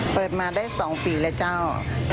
เปิดมาได้๒ปีแล้วเจ้า